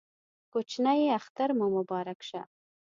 کوچینۍ اختر مو مبارک شه